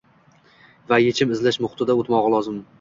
va yechim izlash muhitida o‘tmog‘i lozim.